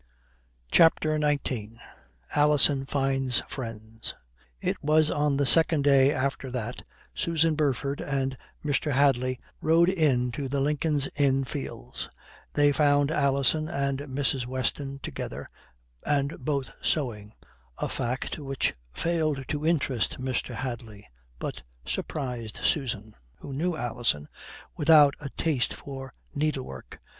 CHAPTER XIX ALISON FINDS FRIENDS It was on the second day after that Susan Burford and Mr. Hadley rode in to the Lincoln's Inn Fields. They found Alison and Mrs. Weston together, and both sewing a fact which failed to interest Mr. Hadley, but surprised Susan, who knew Alison, without a taste for needlework.